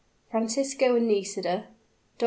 FRANCISCO AND NISIDA DR.